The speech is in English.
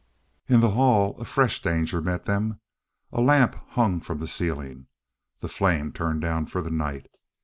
In the hall a fresh danger met them. A lamp hung from the ceiling, the flame turned down for the night.